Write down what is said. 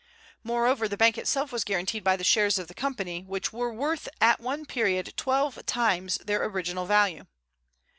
Moreover, the bank itself was guaranteed by the shares of the Company, which were worth at one period twelve times their original value.